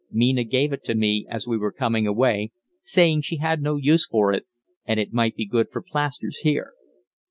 Mina gave it to me as we were coming away, saying she had no use for it and it might be good for plasters here.